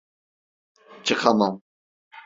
Çıkamam.